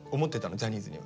ジャニーズには。